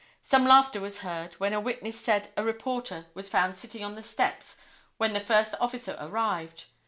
Some laughter was heard when a witness said a reporter was found sitting on the steps when the first officer arrived.